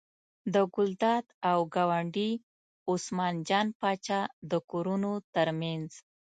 د ګلداد او ګاونډي عثمان جان پاچا د کورونو تر منځ.